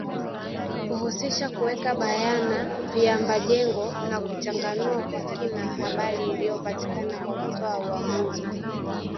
Huhusisha kuweka bayana viambajengo na kuchanganua kwa kina habari iliyopatikana na kutoa uamuzi